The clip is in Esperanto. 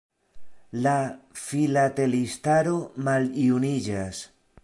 La filatelistaro maljuniĝas.